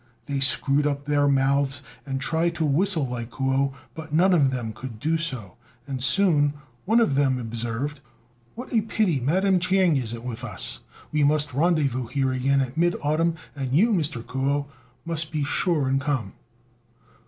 They screwed up their mouths and tried to whistle like Kuo, but none of them could do so; and soon one of them observed, "What a pity Madam Ch'ing isn't with us: we must rendezvous here again at mid autumn, and you, Mr. Kuo, must be sure and come."